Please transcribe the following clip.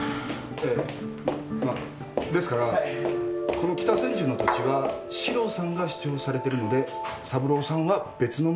この北千住の土地は四郎さんが主張されてるので三郎さんは別のものを。